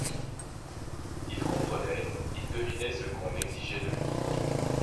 Il comprenait, il devinait ce qu’on exigeait de lui.